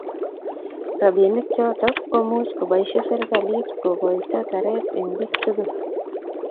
Rabinik chotok ko much kobaishe serikalit ko kaito taret eng piik tug'ul